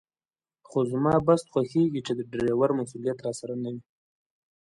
خو زما بس خوښېږي چې د ډریور مسوولیت راسره نه وي.